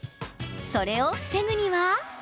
それを防ぐには。